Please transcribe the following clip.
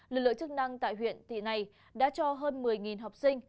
lực lượng chức năng tại huyện thị này đã cho hơn một mươi học sinh